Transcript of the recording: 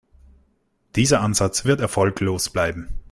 Dieser Ansatz wird erfolglos bleiben.